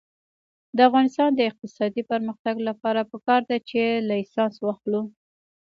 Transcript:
د افغانستان د اقتصادي پرمختګ لپاره پکار ده چې لایسنس واخلو.